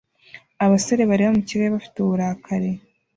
Abasore bareba mu kirere bafite uburakari